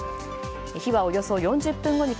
火はおよそ４０分後に